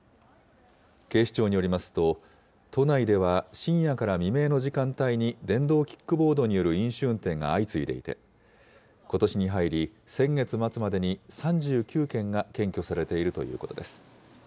警視庁によりますと、都内では深夜から未明の時間帯に電動キックボードによる飲酒運転が相次いでいて、ことしに入り、先月末までに３９件が検挙されているということです。